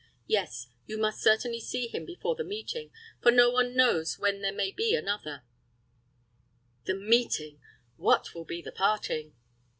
Yes, you must certainly see him before the meeting, for no one knows when there may be another The meeting! What will be the parting?"